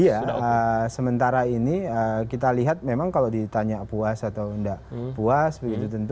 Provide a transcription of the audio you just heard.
iya sementara ini kita lihat memang kalau ditanya puas atau enggak puas begitu tentu